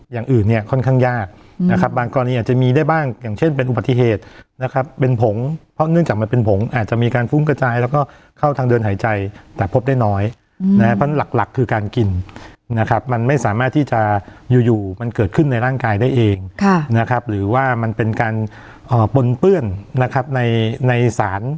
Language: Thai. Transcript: อย่างอื่นเนี่ยค่อนข้างยากนะครับบางกรณีอาจจะมีได้บ้างอย่างเช่นเป็นอุบัติเหตุนะครับเป็นผงเพราะเนื่องจากมันเป็นผงอาจจะมีการฟุ้งกระจายแล้วก็เข้าทางเดินหายใจแต่พบได้น้อยนะครับเพราะหลักคือการกินนะครับมันไม่สามารถที่จะอยู่อยู่มันเกิดขึ้นในร่างกายได้เองนะครับหรือว่ามันเป็นการปนเปื้อนนะครับในในสาร